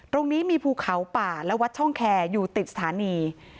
ตรงนี้มีภูเขาป่าและวัดช่องแคร์อยู่ติดสถานี